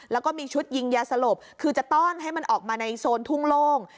แล้วก็มีชุดยิงยาสลบคือจะต้อนให้มันออกมาในโซนทุ่งโล่ง